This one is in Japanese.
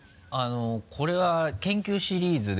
これは研究シリーズで。